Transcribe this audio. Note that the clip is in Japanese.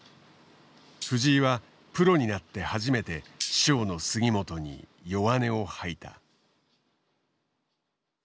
藤井はプロになって初めて師匠の杉本に弱音を吐いた。